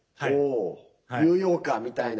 ニューヨーカーみたいな？